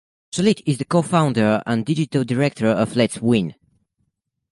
Shalit is the co-founder and digital director of Let's Win.